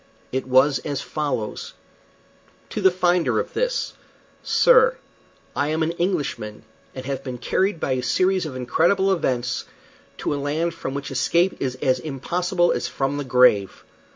It was as follows: "To the finder of this: "Sir, I am an Englishman, and have been carried by a series of incredible events to a land from which escape is as impossible as from the grave.